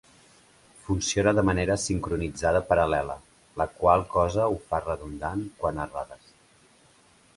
Funciona de manera sincronitzada paral·lela, la qual cosa ho fa redundant quant a errades.